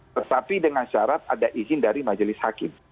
tetapi dengan syarat ada izin dari majelis hakim